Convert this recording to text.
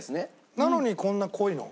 なのにこんな濃いの？